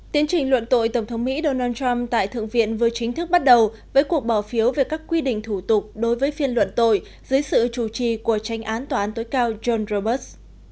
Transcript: tiến trình luận tội tổng thống mỹ donald trump tại thượng viện vừa chính thức bắt đầu với cuộc bỏ phiếu về các quy định thủ tục đối với phiên luận tội dưới sự chủ trì của tranh án tòa án tối cao john roberts